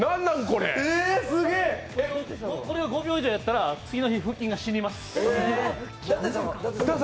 これを５秒以上やったら、次の日腹筋死にます。